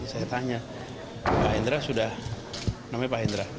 saya tanya pak hendra sudah namanya pak hendra